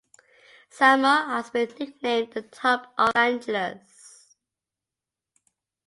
Sylmar has been nicknamed The Top of Los Angeles.